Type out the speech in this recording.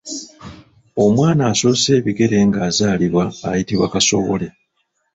Omwana asoosa ebigere ng'azalibwa ayitibwa Kasowole.